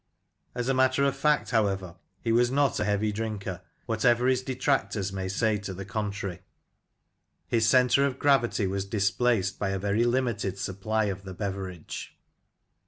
As a matter of fact, however, he was not a heavy drinker, whatever his detractors may say to the contrary. His centre of gravity was displaced by a very limited supply of the beverage.